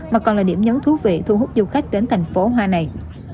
mà còn là điểm nhấn thú vị thu hút du khách đến thành phố hoa này